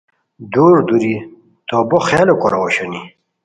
دُوری دی تو بو خیالو کوراؤ اوشونی